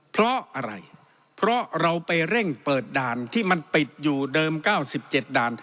เพราะอะไรเพราะเราไปเร่งเปิดด่านที่มันปิดอยู่เดิม๙๗ด่าน